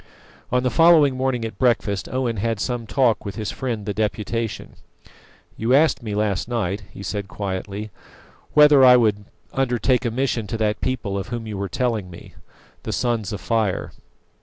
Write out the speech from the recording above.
On the following morning at breakfast Owen had some talk with his friend the Deputation. "You asked me last night," he said quietly, "whether I would undertake a mission to that people of whom you were telling me the Sons of Fire.